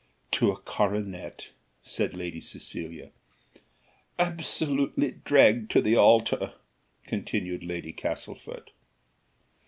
"To a coronet," said Lady Cecilia. "Absolutely dragged to the altar," continued Lady Castlefort.